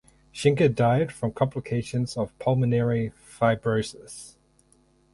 Shenker died from complications of pulmonary fibrosis.